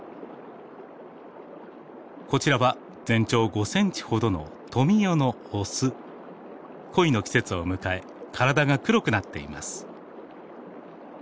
こちらは全長５センチほどの恋の季節を迎え体が黒くなっています。